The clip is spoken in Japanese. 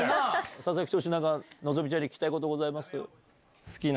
佐々木投手希ちゃんに聞きたいことございます？